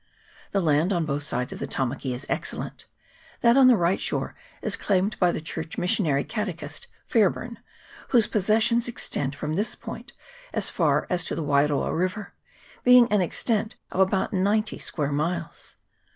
The land on both sides of the Tamaki is excellent ; that on the right shore is claimed by the Church Mission ary catechist Fairburn, whose possessions extend from this point as far as to the Wairoa river, being an extent of about ninety square miles.